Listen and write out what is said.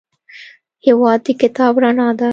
هېواد د کتاب رڼا ده.